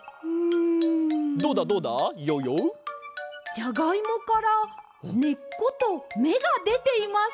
じゃがいもからねっことめがでています。